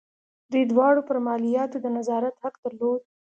دوی دواړو پر مالیاتو د نظارت حق درلود.